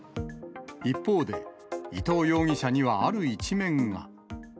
一方で、伊藤容疑者にはある一面が。